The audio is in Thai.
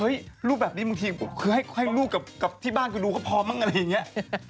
รูปแบบนี้บางทีคือให้ลูกกับที่บ้านกูดูก็พอมั้งอะไรอย่างนี้